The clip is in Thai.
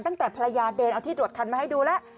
ตั้งแต่ภรรยาเดินเอาที่ตรวจคันมาให้ดูแล้ว